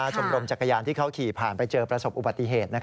ชมรมจักรยานที่เขาขี่ผ่านไปเจอประสบอุบัติเหตุ